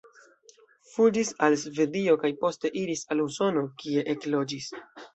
Fuĝis al Svedio kaj poste iris al Usono, kie ekloĝis.